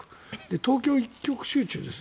東京一極集中です。